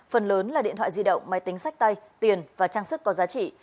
phần lớn là điện thoại di động máy tính sách tay tiền và trang sức có giá trị